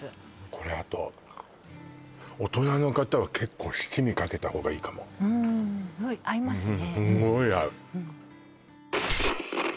これあと大人の方は結構七味かけた方がいいかも合いますね